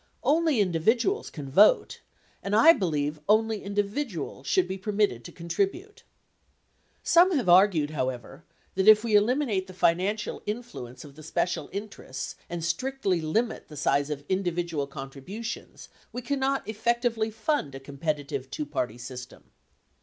Only in dividuals can vote, and I believe only individuals should be permitted to contribute. Some have argued, however, that if we eliminate the financial in fluence of the special interests and strictly limit the size of individual contributions, we cannot effectively fund a competitive two party sys tem.